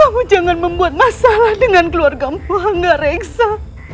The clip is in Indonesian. masalah dengan keluarga mpohanggareksa